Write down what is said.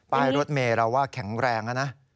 ป้ายรถเมล์เราว่าแข็งแรงนะ